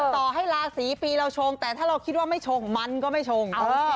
ต่อให้ราศีปีเราชงแต่ถ้าเราคิดว่าไม่ชงมันก็ไม่ชง